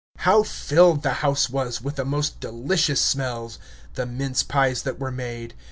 How filled the house was with the most delicious smells! The mince pies that were made!